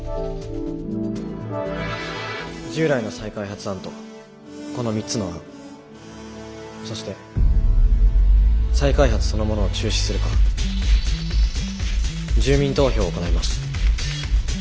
従来の再開発案とこの３つの案そして再開発そのものを中止するか住民投票を行います。